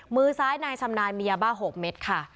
มือซ้ายนายชำนาญมียาบ้า๖เม็ดค่ะ